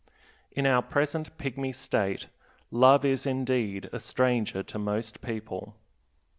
In our present pygmy state love is indeed a stranger to most people.